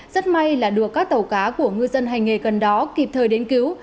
rất may là đùa các tàu cá của ngư dân hành nghề gần đó kịp thời đến cứu